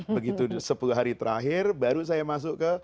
begitu sepuluh hari terakhir baru saya masuk ke